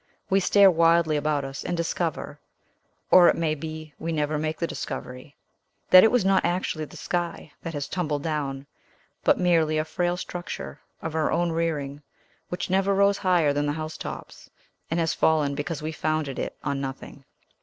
We stare wildly about us, and discover or, it may be, we never make the discovery that it was not actually the sky that has tumbled down, but merely a frail structure of our own rearing, which never rose higher than the housetops, and has fallen because we founded it on nothing.